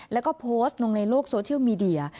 แล้วก็โพสต์ลงในโลกโซเชียลมีเดีย